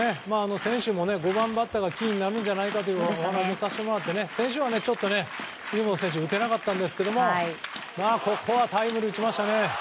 先週も５番バッターがキーになるんじゃないかという話をさせてもらって、先週は杉本選手は打てなかったんですがここはタイムリーを打ちましたね。